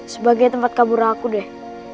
sebagai tempat kabur aku deh